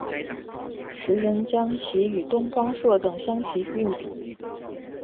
时人将其与东方朔等相提并比。